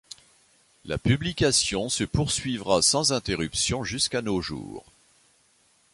La publication se poursuivra sans interruption jusqu'à nos jours.